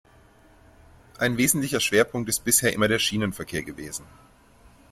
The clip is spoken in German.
Ein wesentlicher Schwerpunkt ist bisher immer der Schienenverkehr gewesen.